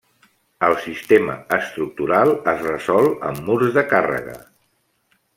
El sistema estructural es resol amb murs de càrrega.